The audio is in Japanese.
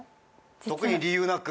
特に理由なく？